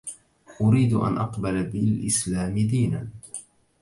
أريد أن أقبل بالإسلام دينا.